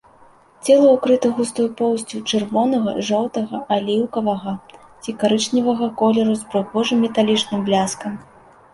Цела ўкрыта густой поўсцю чырвонага, жоўтага, аліўкавага ці карычневага колеру з прыгожым металічным бляскам.